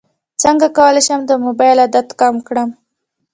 څنګه کولی شم د موبایل عادت کم کړم